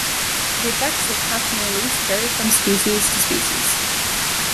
The effects of catch and release vary from species to species.